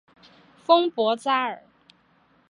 丰博扎尔。